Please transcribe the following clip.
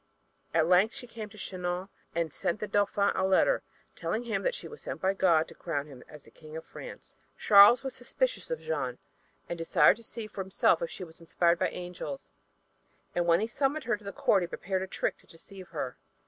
At length she came to Chinon and sent the Dauphin a letter, telling him that she was sent by God to crown him as King of France. Charles was suspicious of Jeanne and desired to see for himself if she was inspired by angels; and when he summoned her to the Court he prepared a trick to deceive her.